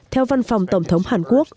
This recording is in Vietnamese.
theo văn phòng tổng thống hàn quốc